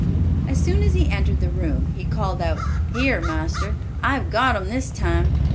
As soon as he entered the room, he called out, "Here, master, I've got 'em this time!"